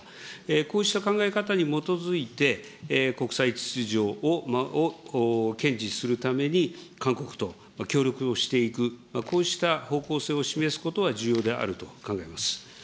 こうした考え方に基づいて、国際秩序を堅持するために韓国と協力をしていく、こうした方向性を示すことは重要であると考えます。